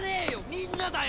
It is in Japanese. みんなだよ！